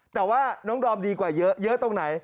แต่ว่าน้องดอมดีกว่าเยอะเยอะตรงไหน